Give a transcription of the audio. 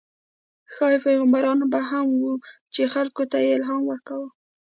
ښايي پیغمبران به هم وو، چې خلکو ته یې الهام ورکاوه.